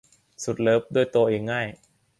สุดเลิฟด้วยตัวเองง่าย